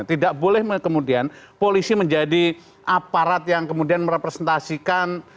tidak boleh kemudian polisi menjadi aparat yang kemudian merepresentasikan